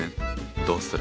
どうする？